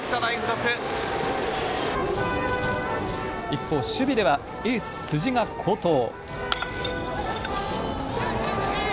一方、守備ではエース、辻が好投。